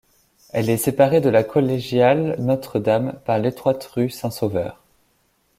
Elle est séparée de la collégiale Notre-Dame par l'étroite rue Saint-Sauveur.